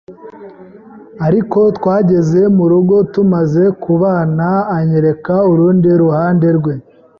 ariko twageze mu rugo tumaze kubana anyereka urundi ruhande rwe